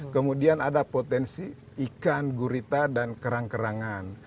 kemudian ada potensi ikan gurita dan kerang kerangan